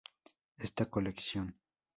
Esta colección.